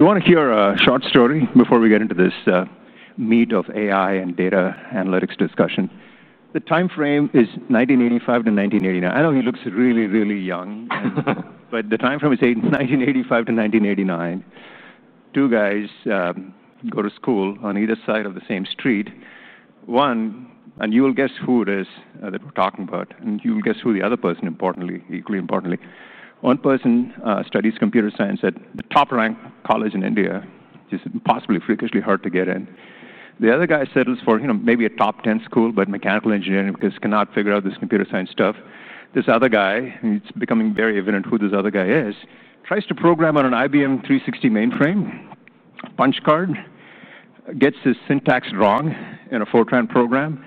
I want to hear a short story before we get into this meat of AI and data analytics discussion. The time frame is 1985- 1989. I know he looks really, really young, but the time frame is 1985 - 1989. Two guys go to school on either side of the same street. One, and you will guess who it is that we're talking about, and you will guess who the other person, importantly, equally importantly. One person studies computer science at the top-ranked college in India, which is impossibly, freakishly hard to get in. The other guy settles for maybe a top 10 school, but mechanical engineering because he cannot figure out this computer science stuff. This other guy, it's becoming very evident who this other guy is, tries to program on an IBM 360 mainframe, punch card, gets his syntax wrong in a Fortran program.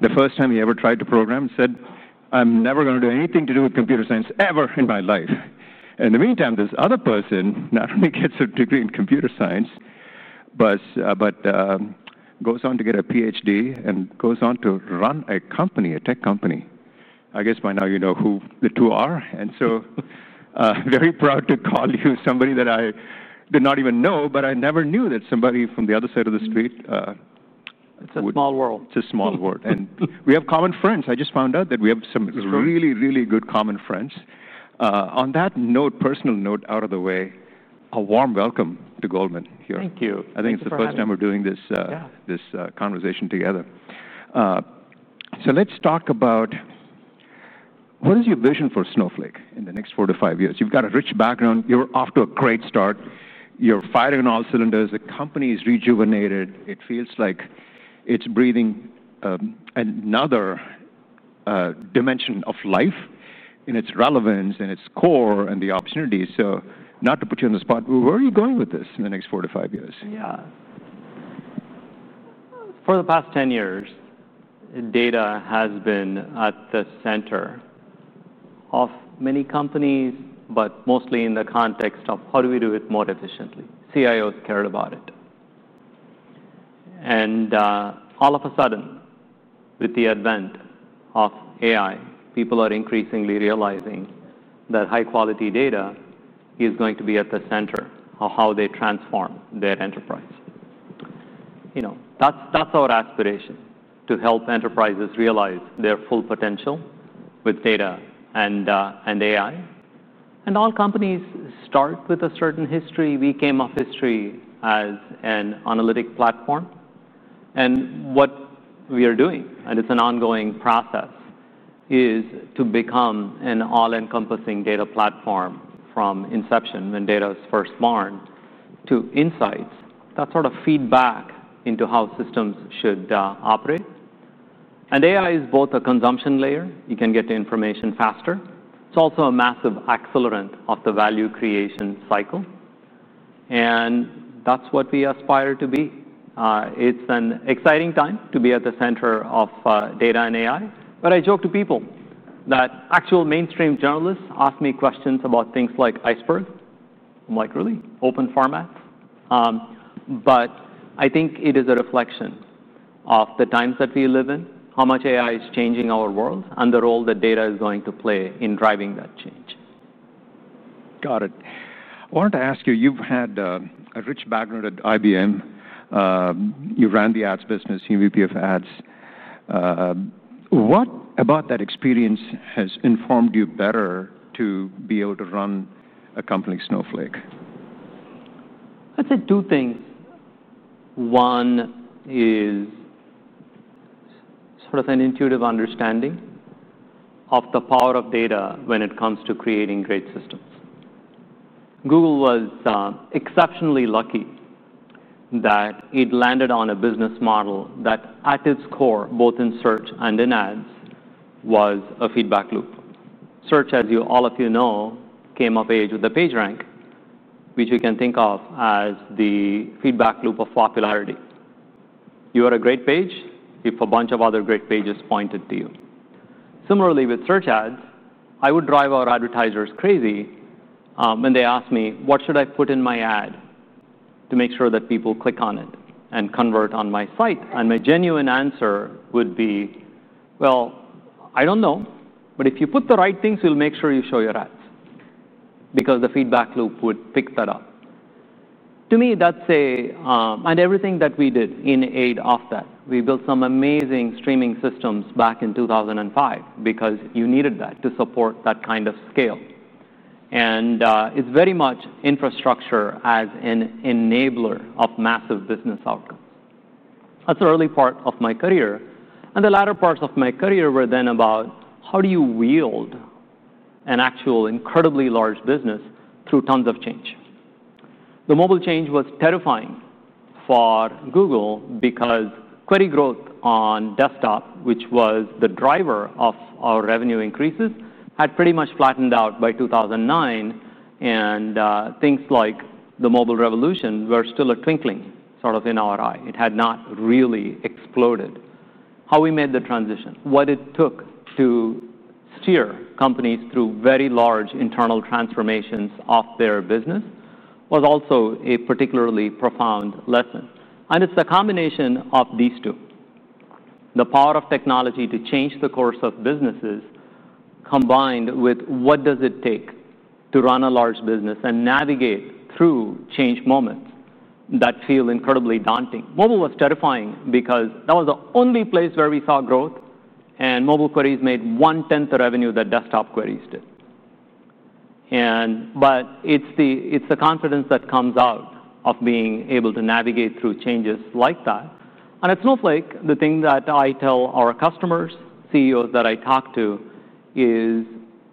The first time he ever tried to program, he said, "I'm never going to do anything to do with computer science ever in my life." In the meantime, this other person not only gets a degree in computer science, but goes on to get a PhD and goes on to run a company, a tech company. I guess by now you know who the two are. Very proud to call you somebody that I did not even know, but I never knew that somebody from the other side of the street. It's a small world. It's a small world. We have common friends. I just found out that we have some really, really good common friends. On that personal note out of the way, a warm welcome to Goldman here. Thank you. I think it's the first time we're doing this conversation together. Let's talk about what is your vision for Snowflake in the next four to five years. You've got a rich background. You're off to a great start. You're firing on all cylinders. The company is rejuvenated. It feels like it's breathing another dimension of life in its relevance, in its core, and the opportunities. Not to put you on the spot, where are you going with this in the next four to five years? Yeah. For the past 10 years, data has been at the center of many companies, but mostly in the context of how do we do it more efficiently? CIOs cared about it. All of a sudden, with the advent of AI, people are increasingly realizing that high-quality data is going to be at the center of how they transform their enterprise. You know, that's our aspiration, to help enterprises realize their full potential with data and AI. All companies start with a certain history. We came off history as an analytic platform. What we are doing, and it's an ongoing process, is to become an all-encompassing data platform from inception when data was first born to insights, that sort of feedback into how systems should operate. AI is both a consumption layer. You can get the information faster. It's also a massive accelerant of the value creation cycle. That's what we aspire to be. It's an exciting time to be at the center of data and AI. I joke to people that actual mainstream journalists ask me questions about things like Iceberg. I'm like, really? Open formats. I think it is a reflection of the times that we live in, how much AI is changing our world, and the role that data is going to play in driving that change. Got it. I wanted to ask you, you've had a rich background at IBM. You ran the ads business, SVP of Ads. What about that experience has informed you better to be able to run a company like Snowflake? I'd say two things. One is sort of an intuitive understanding of the power of data when it comes to creating great systems. Google was exceptionally lucky that it landed on a business model that at its core, both in search and in ads, was a feedback loop. Search, as all of you know, came of age with the PageRank, which we can think of as the feedback loop of popularity. You had a great page if a bunch of other great pages pointed to you. Similarly, with search ads, I would drive our advertisers crazy when they asked me, what should I put in my ad to make sure that people click on it and convert on my site? My genuine answer would be, I don't know, but if you put the right things, we'll make sure you show your ads because the feedback loop would pick that up. To me, that's everything that we did in aid of that. We built some amazing streaming systems back in 2005 because you needed that to support that kind of scale. It's very much infrastructure as an enabler of massive business outcome. That's an early part of my career. The latter parts of my career were then about how do you wield an actual incredibly large business through tons of change? The mobile change was terrifying for Google because query growth on desktop, which was the driver of our revenue increases, had pretty much flattened out by 2009. Things like the mobile revolution were still a twinkling sort of in our eye. It had not really exploded. How we made the transition, what it took to steer companies through very large internal transformations of their business was also a particularly profound lesson. It's the combination of these two, the power of technology to change the course of businesses combined with what does it take to run a large business and navigate through change moments that feel incredibly daunting. Mobile was terrifying because that was the only place where we saw growth. Mobile queries made one tenth the revenue that desktop queries did. It's the confidence that comes out of being able to navigate through changes like that. At Snowflake, the thing that I tell our customers, CEOs that I talk to, is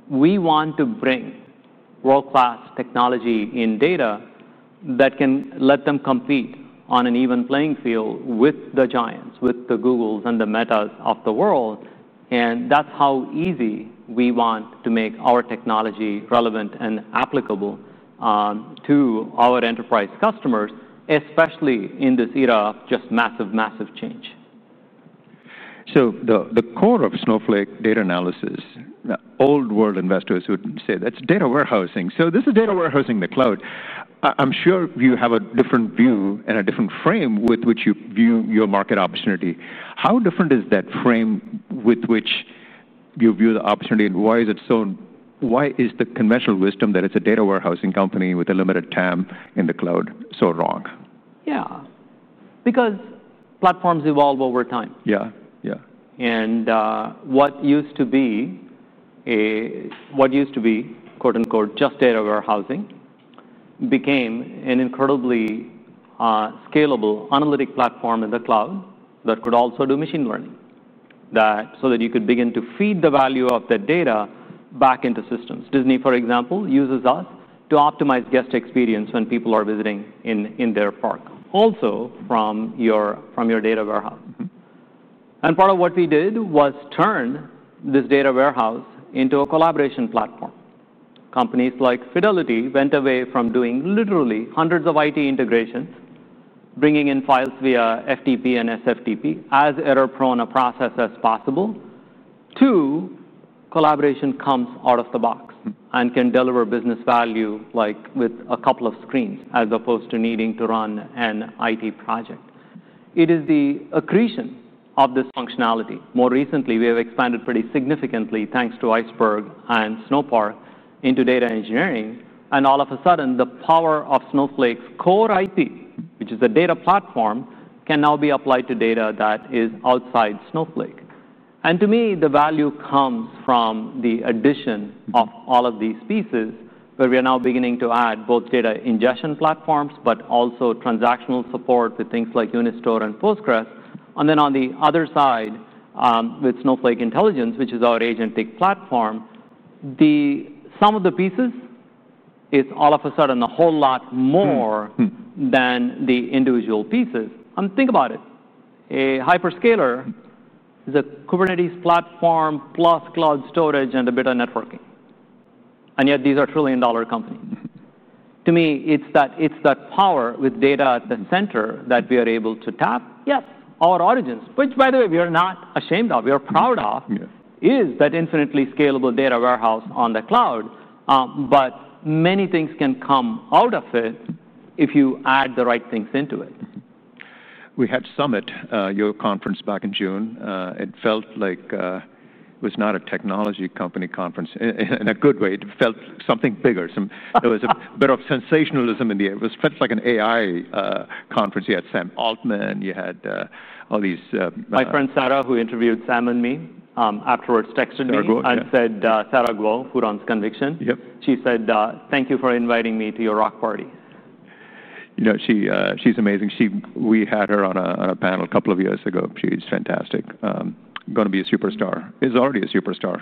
we want to bring world-class technology in data that can let them compete on an even playing field with the giants, with the Googles and the Metas of the world. That's how easy we want to make our technology relevant and applicable to our enterprise customers, especially in this era of just massive, massive change. The core of Snowflake data analysis, the old world investors would say that's data warehousing. This is data warehousing in the cloud. I'm sure you have a different view and a different frame with which you view your market opportunity. How different is that frame with which you view the opportunity, and why is it so? Why is the conventional wisdom that it's a data warehousing company with a limited TAM in the cloud so wrong? Yeah, because platforms evolve over time. Yeah, yeah. What used to be, quote unquote, just data warehousing became an incredibly scalable analytic platform in the cloud that could also do machine learning so that you could begin to feed the value of that data back into systems. Disney, for example, uses us to optimize guest experience when people are visiting in their park, also from your data warehouse. Part of what we did was turn this data warehouse into a collaboration platform. Companies like Fidelity went away from doing literally hundreds of IT integrations, bringing in files via FTP and SFTP, as error-prone a process as possible. Collaboration comes out of the box and can deliver business value with a couple of screens as opposed to needing to run an IT project. It is the accretion of this functionality. More recently, we have expanded pretty significantly thanks to Iceberg and Snowpark into data engineering. All of a sudden, the power of Snowflake's core IP, which is a data platform, can now be applied to data that is outside Snowflake. To me, the value comes from the addition of all of these pieces where we are now beginning to add both data ingestion platforms, but also transactional support with things like Unistore and Postgres. On the other side, with Snowflake Intelligence, which is our agentic platform, some of the pieces are all of a sudden a whole lot more than the individual pieces. Think about it. A hyperscaler is a Kubernetes platform plus cloud storage and a bit of networking. Yet these are trillion-dollar companies. To me, it's that power with data at the center that we are able to tap. Yes, our origins, which by the way, we are not ashamed of, we are proud of, is that infinitely scalable data warehouse on the cloud. Many things can come out of it if you add the right things into it. We had Summit, your conference back in June. It felt like it was not a technology company conference in a good way. It felt something bigger. There was a bit of sensationalism in the air. It felt like an AI conference. You had Sam Altman. You had all these. My friend Sarah, who interviewed Sam and me afterwards, texted me and said, Sarah Guo, who runs Conviction, said, thank you for inviting me to your rock party. She's amazing. We had her on a panel a couple of years ago. She's fantastic, going to be a superstar, is already a superstar.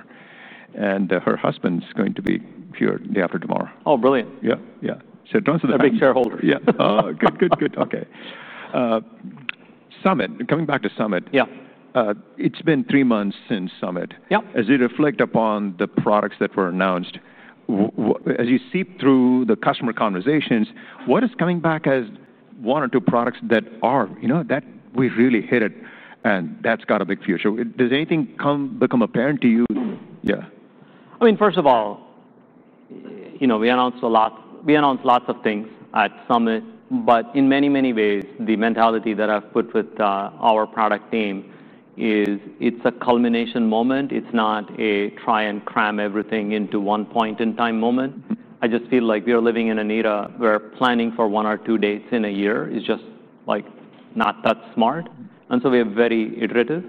Her husband's going to be here the day after tomorrow. Oh, brilliant. Yeah, yeah. They're big shareholders. Yeah. OK, good, good, good. Summit, coming back to Summit. Yeah. It's been three months since Summit. Yeah. As you reflect upon the products that were announced, as you seep through the customer conversations, what is coming back as one or two products that are, you know, that we really hit it and that's got a big future? Does anything become apparent to you? Yeah. I mean, first of all, we announced a lot. We announced lots of things at Summit. In many, many ways, the mentality that I've put with our product team is it's a culmination moment. It's not a try and cram everything into one point in time moment. I just feel like we are living in an era where planning for one or two dates in a year is just like not that smart. We are very iterative.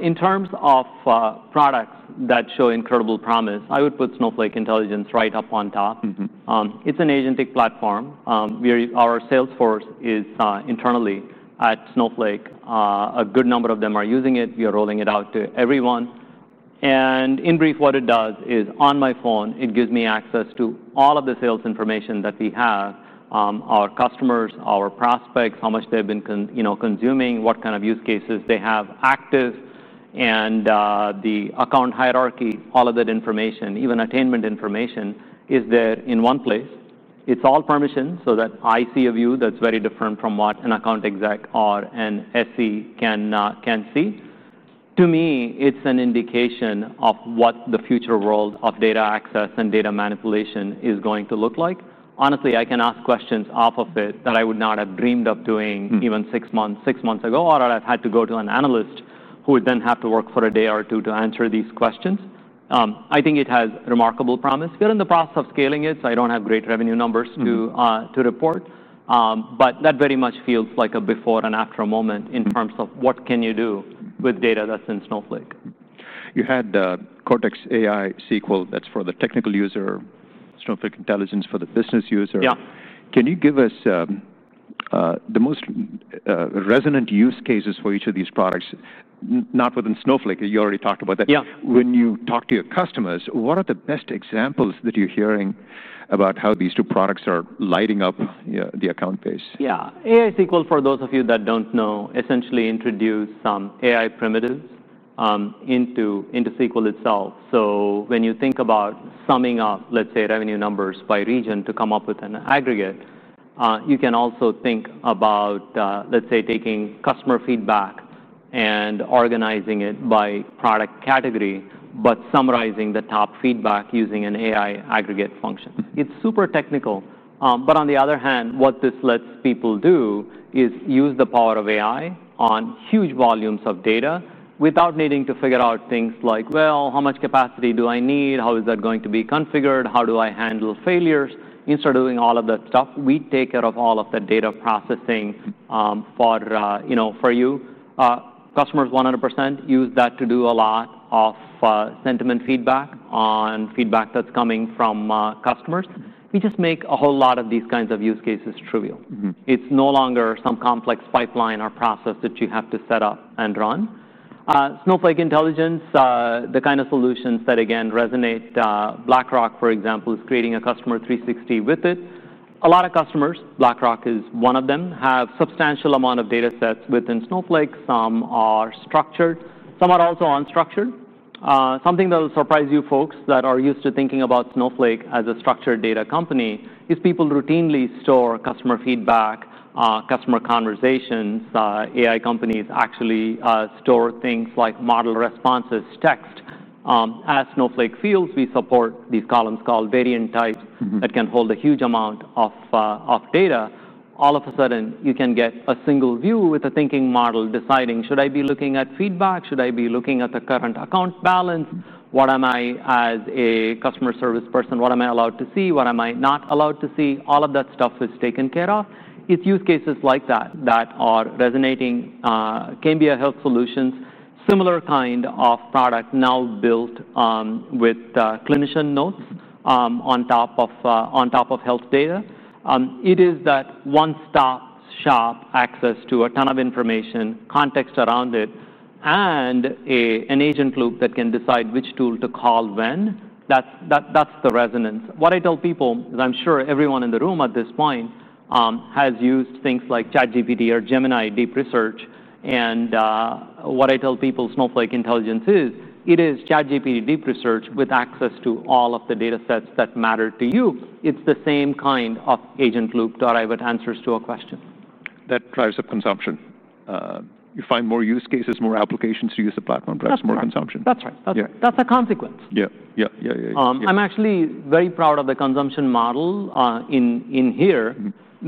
In terms of products that show incredible promise, I would put Snowflake Intelligence right up on top. It's an agentic platform. Our sales force is internally at Snowflake. A good number of them are using it. We are rolling it out to everyone. In brief, what it does is on my phone, it gives me access to all of the sales information that we have, our customers, our prospects, how much they've been consuming, what kind of use cases they have active, and the account hierarchy, all of that information, even attainment information, is there in one place. It's all permissioned so that I see a view that's very different from what an account exec or an SE can see. To me, it's an indication of what the future world of data access and data manipulation is going to look like. Honestly, I can ask questions off of it that I would not have dreamed of doing even six months ago, or I'd have had to go to an analyst who would then have to work for a day or two to answer these questions. I think it has remarkable promise. We are in the process of scaling it, so I don't have great revenue numbers to report. That very much feels like a before and after moment in terms of what can you do with data that's in Snowflake. You had Cortex AI SQL that's for the technical user, Snowflake Intelligence for the business user. Yeah. Can you give us the most resonant use cases for each of these products? Not within Snowflake. You already talked about that. Yeah. When you talk to your customers, what are the best examples that you're hearing about how these two products are lighting up the account base? Yeah. AI SQL, for those of you that don't know, essentially introduced some AI primitives into SQL itself. When you think about summing up, let's say, revenue numbers by region to come up with an aggregate, you can also think about, let's say, taking customer feedback and organizing it by product category, but summarizing the top feedback using an AI aggregate function. It's super technical. On the other hand, what this lets people do is use the power of AI on huge volumes of data without needing to figure out things like, well, how much capacity do I need? How is that going to be configured? How do I handle failures? Instead of doing all of that stuff, we take care of all of that data processing for you. Customers 100% use that to do a lot of sentiment feedback on feedback that's coming from customers. We just make a whole lot of these kinds of use cases trivial. It's no longer some complex pipeline or process that you have to set up and run. Snowflake Intelligence, the kind of solutions that, again, resonate. BlackRock, for example, is creating a customer 360 with it. A lot of customers, BlackRock is one of them, have a substantial amount of data sets within Snowflake. Some are structured. Some are also unstructured. Something that will surprise you folks that are used to thinking about Snowflake as a structured data company is people routinely store customer feedback, customer conversations. AI companies actually store things like model responses, text. As Snowflake fields, we support these columns called variant types that can hold a huge amount of data. All of a sudden, you can get a single view with a thinking model deciding, should I be looking at feedback? Should I be looking at the current account balance? What am I, as a customer service person, what am I allowed to see? What am I not allowed to see? All of that stuff is taken care of. It's use cases like that that are resonating. Cambia Health Solutions, similar kind of product now built with clinician notes on top of health data. It is that one-stop shop access to a ton of information, context around it, and an agent loop that can decide which tool to call when. That's the resonance. What I tell people is I'm sure everyone in the room at this point has used things like ChatGPT or Gemini deep research. What I tell people, Snowflake Intelligence is, it is ChatGPT deep research with access to all of the data sets that matter to you. It's the same kind of agent loop-derived answers to a question. That drives up consumption. You find more use cases, more applications to use the platform, drives more consumption. That's right. That's a consequence. Yeah. I'm actually very proud of the consumption model in here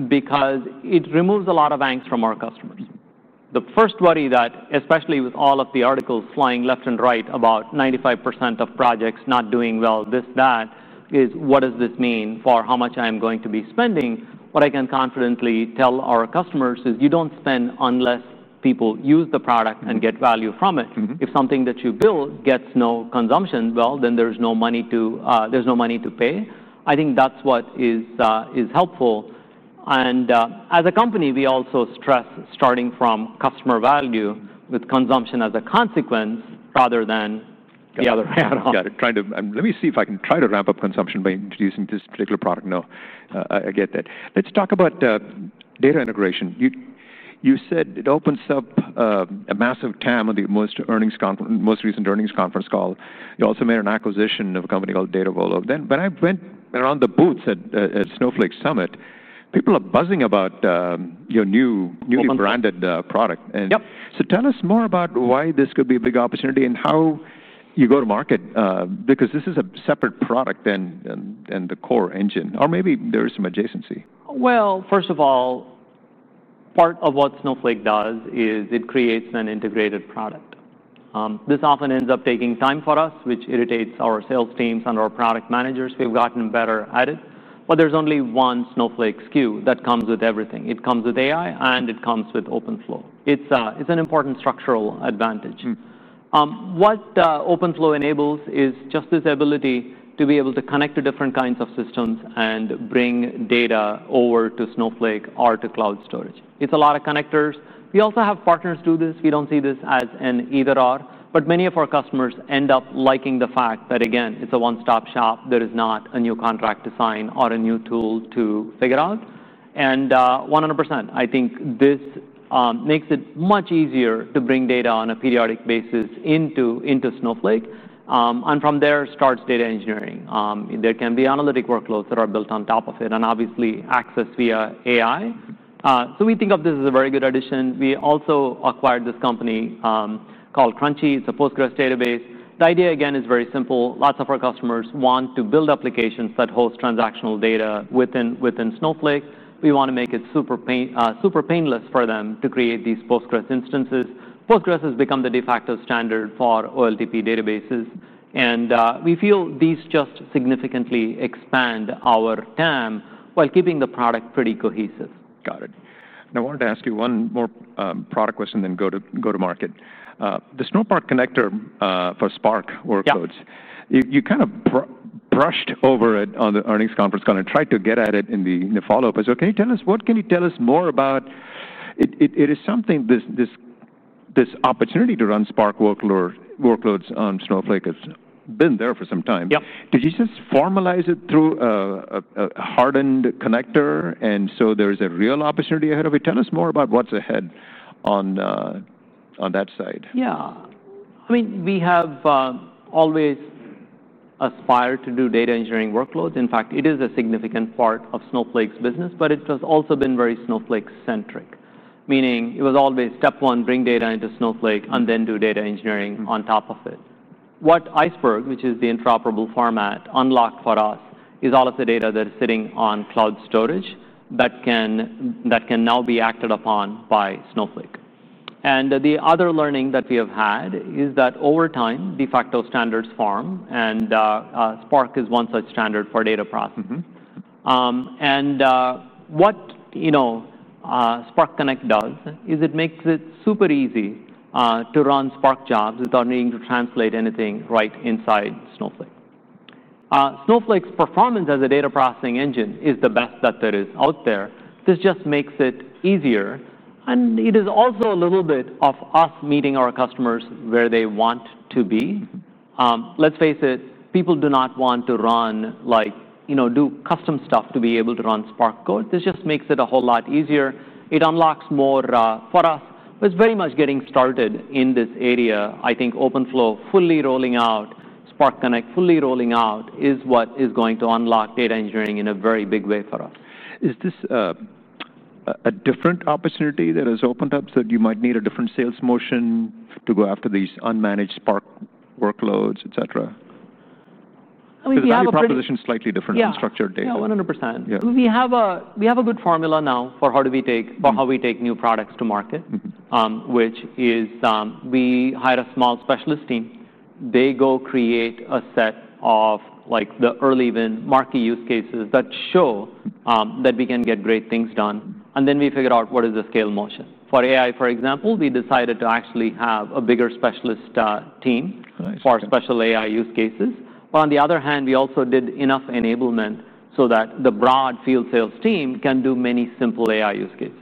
because it removes a lot of angst from our customers. The first worry, especially with all of the articles flying left and right about 95% of projects not doing well, this, that, is what does this mean for how much I'm going to be spending? What I can confidently tell our customers is you don't spend unless people use the product and get value from it. If something that you build gets no consumption, then there's no money to pay. I think that's what is helpful. As a company, we also stress starting from customer value with consumption as a consequence rather than the other way. Let me see if I can try to ramp up consumption by introducing this particular product. I get that. Let's talk about data integration. You said it opens up a massive TAM on the most recent earnings conference call. You also made an acquisition of a company called Datavolo. When I went around the booths at Snowflake Summit, people are buzzing about your newly branded product. Yep. Tell us more about why this could be a big opportunity and how you go to market, because this is a separate product than the core engine, or maybe there is some adjacency. First of all, part of what Snowflake does is it creates an integrated product. This often ends up taking time for us, which irritates our sales teams and our product managers. We've gotten better at it. There's only one Snowflake SKU that comes with everything. It comes with AI, and it comes with OpenFlow. It's an important structural advantage. What OpenFlow enables is just this ability to be able to connect to different kinds of systems and bring data over to Snowflake or to cloud storage. It's a lot of connectors. We also have partners do this. We don't see this as an either-or, but many of our customers end up liking the fact that, again, it's a one-stop shop. There is not a new contract to sign or a new tool to figure out. 100% I think this makes it much easier to bring data on a periodic basis into Snowflake. From there starts data engineering. There can be analytic workloads that are built on top of it and obviously access via AI. We think of this as a very good addition. We also acquired this company called Crunchy. It's a Postgres database. The idea, again, is very simple. Lots of our customers want to build applications that host transactional data within Snowflake. We want to make it super painless for them to create these Postgres instances. Postgres has become the de facto standard for OLTP databases. We feel these just significantly expand our TAM while keeping the product pretty cohesive. Got it. I wanted to ask you one more product question and then go tspark o market. The Snowpark connector for Spark workloads, you kind of brushed over it on the earnings conference call and tried to get at it in the follow-up. Can you tell us, what can you tell us more about? It is something, this opportunity to run Spark workloads on Snowflake has been there for some time. Yep. Did you just formalize it through a hardened connector? There is a real opportunity ahead of it. Tell us more about what's ahead on that side. Yeah. I mean, we have always aspired to do data engineering workloads. In fact, it is a significant part of Snowflake's business, but it has also been very Snowflake-centric, meaning it was always step one, bring data into Snowflake and then do data engineering on top of it. What Iceberg, which is the interoperable format, unlocked for us is all of the data that is sitting on cloud storage that can now be acted upon by Snowflake. The other learning that we have had is that over time, de facto standards form, and Spark is one such standard for data processing. What Spark Connect does is it makes it super easy to run Spark jobs without needing to translate anything right inside Snowflake. Snowflake's performance as a data processing engine is the best that there is out there. This just makes it easier. It is also a little bit of us meeting our customers where they want to be. Let's face it, people do not want to run, like, do custom stuff to be able to run Spark code. This just makes it a whole lot easier. It unlocks more for us. It's very much getting started in this area. I think OpenFlow fully rolling out, Spark Connect fully rolling out is what is going to unlock data engineering in a very big way for us. Is this a different opportunity that has opened up so that you might need a different sales motion to go after these unmanaged Spark workloads, et c.? I mean, we have a. Because the proposition is slightly different than structured data. Yeah, 100%. We have a good formula now for how we take new products to market, which is we hire a small specialist team. They go create a set of the early win market use cases that show that we can get great things done. Then we figure out what is the scale motion. For AI, for example, we decided to actually have a bigger specialist team for special AI use cases. On the other hand, we also did enough enablement so that the broad field sales team can do many simple AI use cases.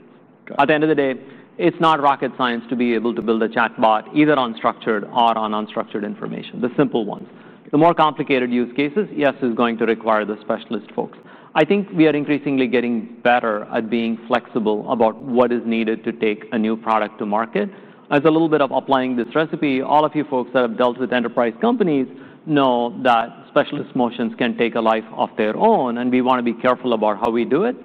At the end of the day, it's not rocket science to be able to build a chatbot either on structured or on unstructured information, the simple ones. The more complicated use cases, yes, it's going to require the specialist folks. I think we are increasingly getting better at being flexible about what is needed to take a new product to market. As a little bit of applying this recipe, all of you folks that have dealt with enterprise companies know that specialist motions can take a life of their own. We want to be careful about how we do it.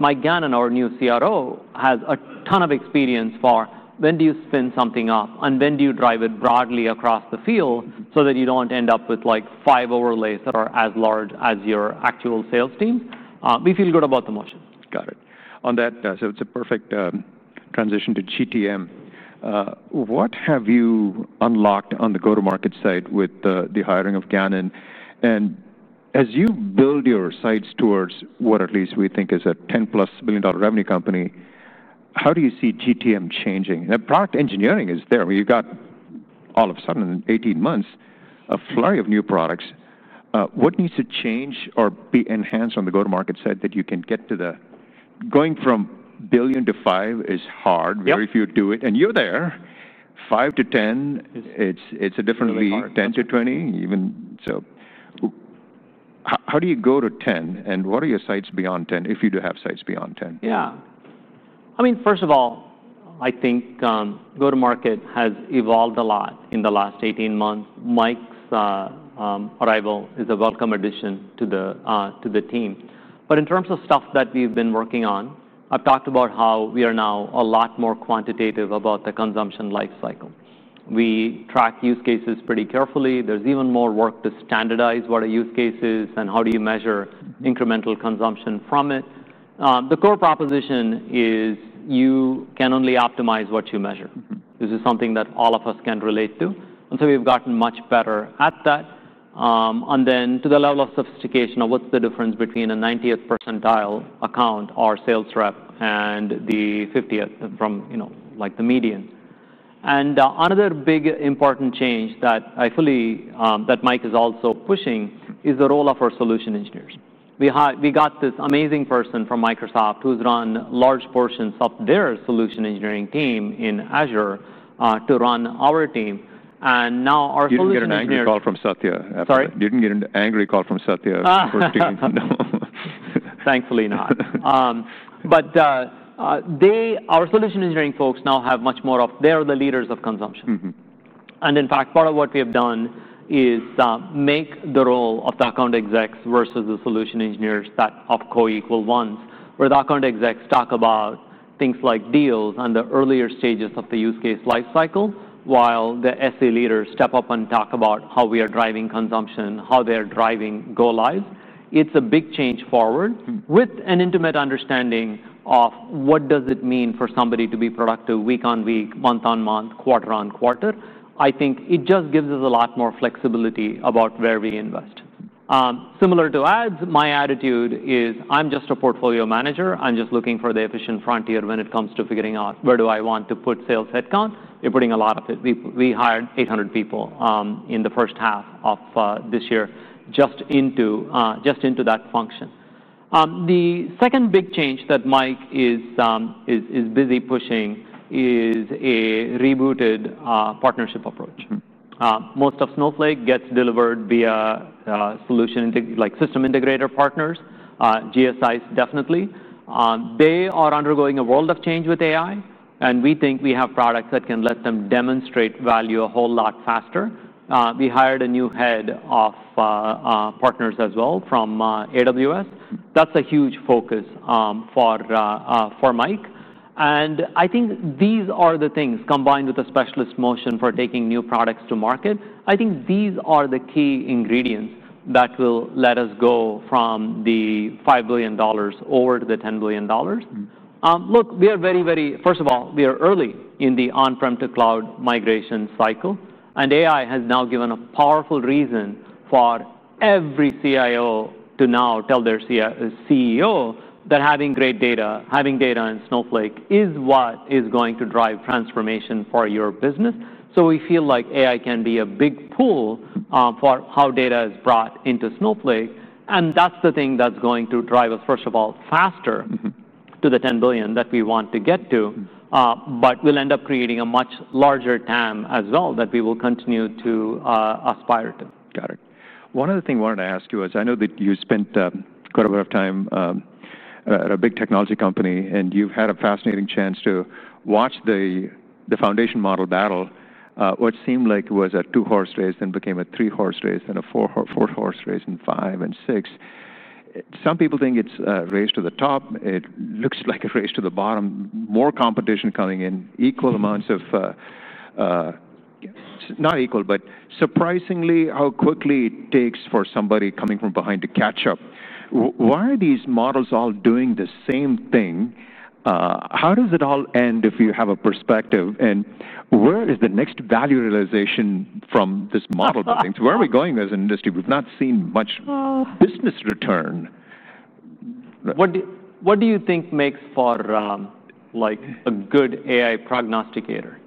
Mike Gannon, our new CRO, has a ton of experience for when do you spin something up and when do you drive it broadly across the field so that you don't end up with five overlays that are as large as your actual sales teams. We feel good about the motion. Got it. On that, it's a perfect transition to GTM. What have you unlocked on the go-to-market side with the hiring of Gannon? As you build your sites towards what at least we think is a $10+ billion revenue company, how do you see GTM changing? Product engineering is there. You've got all of a sudden in 18 months a flurry of new products. What needs to change or be enhanced on the go-to-market side that you can get to the going from $1 billion to $5 billion is hard. Very few do it. You're there. $5 billion to $10 billion, it's a different league. $10 billion to $20 billion, even so. How do you go to $10 billion? What are your sites beyond $10 billion if you do have sites beyond $10 billion? Yeah. I mean, first of all, I think go-to-market has evolved a lot in the last 18 months. Mike's arrival is a welcome addition to the team. In terms of stuff that we've been working on, I've talked about how we are now a lot more quantitative about the consumption lifecycle. We track use cases pretty carefully. There's even more work to standardize what a use case is and how you measure incremental consumption from it. The core proposition is you can only optimize what you measure. This is something that all of us can relate to. We've gotten much better at that. To the level of sophistication of what's the difference between a 90th percentile account or sales rep and the 50th from the median. Another big important change that I fully, that Mike is also pushing, is the role of our Solution Engineers. We got this amazing person from Microsoft who's run large portions of their Solution Engineering team in Azure to run our team. Now our Solution Engineers. Didn't get an angry call from Satya after that. You didn't get an angry call from Satya for speaking to me. No, thankfully not. Our solution engineering folks now have much more of—they're the leaders of consumption. In fact, part of what we have done is make the role of the Account Execs versus the Solution Engineers co-equal ones, where the Account Execs talk about things like deals and the earlier stages of the use case lifecycle, while the SE leaders step up and talk about how we are driving consumption, how they are driving go-lives. It's a big change forward with an intimate understanding of what does it mean for somebody to be productive week -on -week, month -on -month, quarter -on -quarter. I think it just gives us a lot more flexibility about where we invest. Similar to ads, my attitude is I'm just a portfolio manager. I'm just looking for the efficient frontier when it comes to figuring out where do I want to put sales headcount. We're putting a lot of it. We hired 800 people in the first half of this year just into that function. The second big change that Mike is busy pushing is a rebooted partnership approach. Most of Snowflake gets delivered via solution, like system integrator partners, GSIs definitely. They are undergoing a world of change with AI, and we think we have products that can let them demonstrate value a whole lot faster. We hired a new Head of Partners as well from AWS. That's a huge focus for Mike. I think these are the things combined with a specialist motion for taking new products to market. I think these are the key ingredients that will let us go from the $5 billion over to the $10 billion. We are very, very—first of all, we are early in the on-prem to cloud migration cycle, and AI has now given a powerful reason for every CIO to now tell their CEO that having great data, having data in Snowflake is what is going to drive transformation for your business. We feel like AI can be a big pull for how data is brought into Snowflake, and that's the thing that's going to drive us, first of all, faster to the $10 billion that we want to get to. We'll end up creating a much larger TAM as well that we will continue to aspire to. Got it. One other thing I wanted to ask you was I know that you spent quite a bit of time at a big technology company. You've had a fascinating chance to watch the foundation model battle, which seemed like it was a two-horse race, then became a three-horse race, then a four-horse race, and five, and six. Some people think it's a race to the top. It looks like a race to the bottom. More competition coming in, equal amounts of, not equal, but surprisingly how quickly it takes for somebody coming from behind to catch up. Why are these models all doing the same thing? How does it all end if you have a perspective? Where is the next value realization from this model? Where are we going as an industry? We've not seen much business return. What do you think makes for a good AI prognosticator?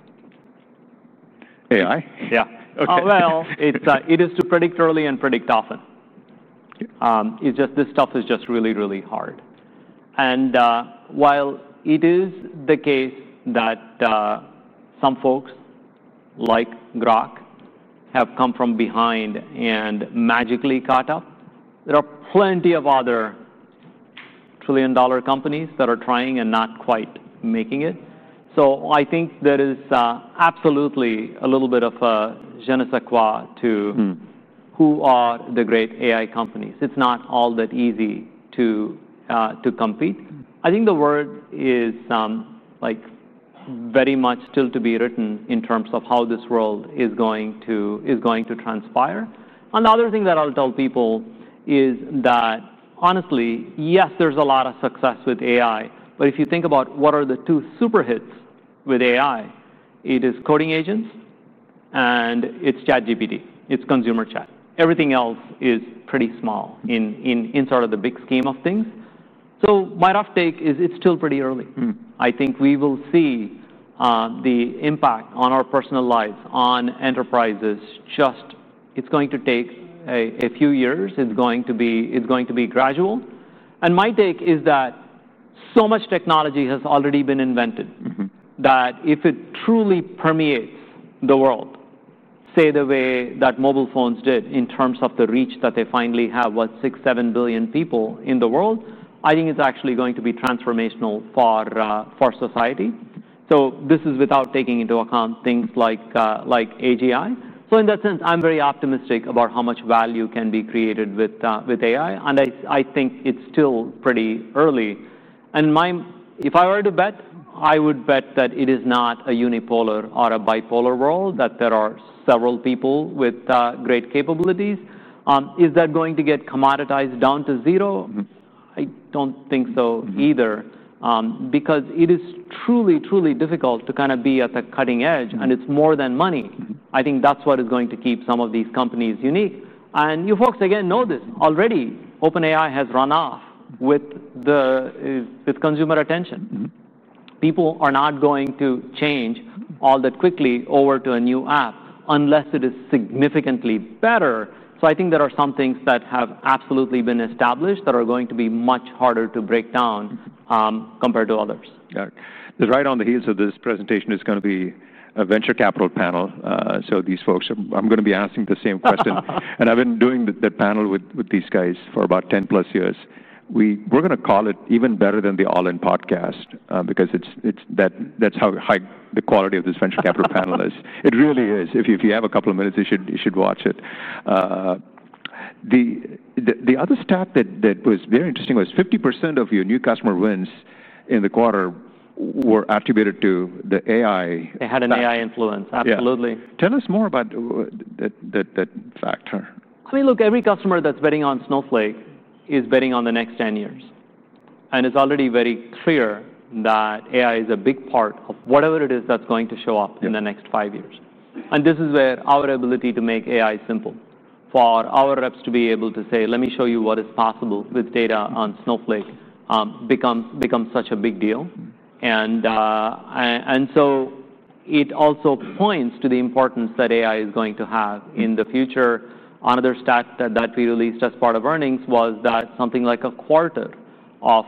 AI? Yeah. OK. It is to predict early and predict often. This stuff is just really, really hard. While it is the case that some folks like Grok have come from behind and magically caught up, there are plenty of other trillion-dollar companies that are trying and not quite making it. I think there is absolutely a little bit of a je ne sais quoi to who are the great AI companies. It's not all that easy to compete. I think the word is very much still to be written in terms of how this world is going to transpire. The other thing that I'll tell people is that honestly, yes, there's a lot of success with AI. If you think about what are the two superhits with AI, it is coding agents, and it's ChatGPT. It's consumer chat. Everything else is pretty small in the big scheme of things. My rough take is it's still pretty early. I think we will see the impact on our personal lives, on enterprises. It's going to take a few years. It's going to be gradual. My take is that so much technology has already been invented that if it truly permeates the world, say the way that mobile phones did in terms of the reach that they finally have, what, 6 billion-7 billion people in the world, I think it's actually going to be transformational for society. This is without taking into account things like AGI. In that sense, I'm very optimistic about how much value can be created with AI. I think it's still pretty early. If I were to bet, I would bet that it is not a unipolar or a bipolar world, that there are several people with great capabilities. Is that going to get commoditized down to zero? I don't think so either because it is truly, truly difficult to be at the cutting edge. It's more than money. I think that's what is going to keep some of these companies unique. You folks, again, know this already. OpenAI has run off with consumer attention. People are not going to change all that quickly over to a new app unless it is significantly better. I think there are some things that have absolutely been established that are going to be much harder to break down compared to others. Right on the heels of this presentation is going to be a venture capital panel. These folks, I'm going to be asking the same question. I've been doing that panel with these guys for about 10+ years. We're going to call it even better than the All In podcast because that's how high the quality of this venture capital panel is. It really is. If you have a couple of minutes, you should watch it. The other stat that was very interesting was 50% of your new customer wins in the quarter were attributed to the AI. They had an AI influence. Absolutely. Tell us more about that factor. I mean, look, every customer that's betting on Snowflake is betting on the next 10 years. It's already very clear that AI is a big part of whatever it is that's going to show up in the next five years. This is where our ability to make AI simple for our reps to be able to say, let me show you what is possible with data on Snowflake becomes such a big deal. It also points to the importance that AI is going to have in the future. Another stat that we released as part of earnings was that something like a quarter of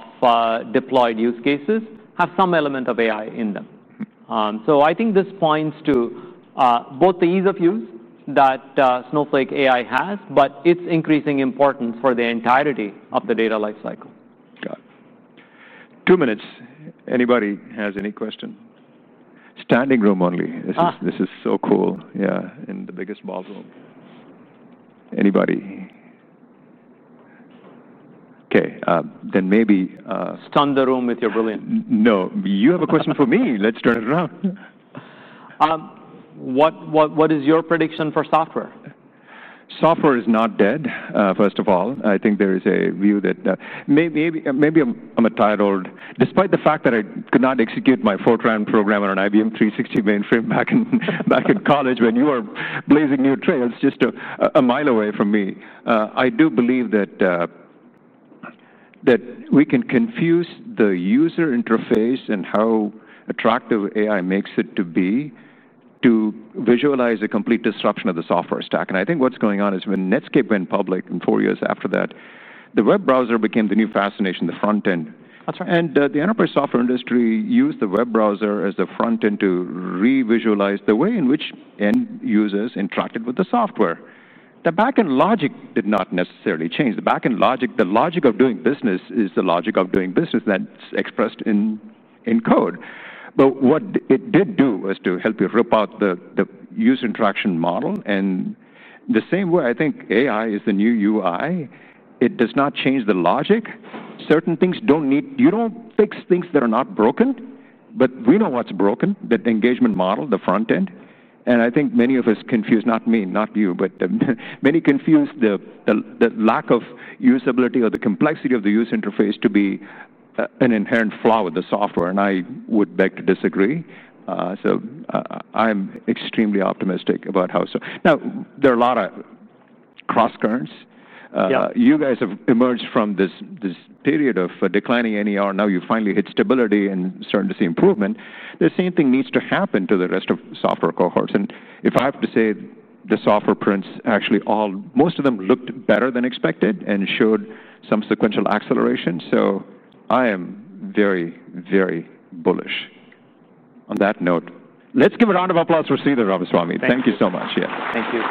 deployed use cases have some element of AI in them. I think this points to both the ease of use that Snowflake AI has, but its increasing importance for the entirety of the data lifecycle. Got it. Two minutes. Anybody has any question? Standing room only. This is so cool. Yeah, in the biggest ball zone. Anybody? OK. Maybe. Stun the room with your brilliance. No, you have a question for me. Let's turn it around. What is your prediction for software? Software is not dead, first of all. I think there is a view that maybe I'm a tired old. Despite the fact that I could not execute my Fortran program on an IBM 360 mainframe back in college when you were blazing new trails just a mile away from me, I do believe that we can confuse the user interface and how attractive AI makes it to be to visualize a complete disruption of the software stack. I think what's going on is when Netscape went public and four years after that, the web browser became the new fascination, the front end. The enterprise software industry used the web browser as the front end to revisualize the way in which end users interacted with the software. The backend logic did not necessarily change. The backend logic, the logic of doing business is the logic of doing business that's expressed in code. What it did do was to help you rip out the user interaction model. In the same way, I think AI is the new UI, it does not change the logic. Certain things don't need you don't fix things that are not broken. We know what's broken, the engagement model, the front end. I think many of us confuse, not me, not you, but many confuse the lack of usability or the complexity of the user interface to be an inherent flaw with the software. I would beg to disagree. I'm extremely optimistic about how so now, there are a lot of cross-currents. You guys have emerged from this period of declining NER. Now you finally hit stability and started to see improvement. The same thing needs to happen to the rest of software cohorts. If I have to say, the software prints actually all, most of them looked better than expected and showed some sequential acceleration. I am very, very bullish. On that note, let's give a round of applause for Sridhar Ramaswamy. Thank you. Thank you so much. Yeah. Thank you.